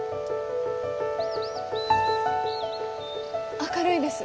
明るいです。